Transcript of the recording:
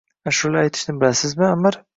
— Аshula aytishni bilasizmi, Аmir?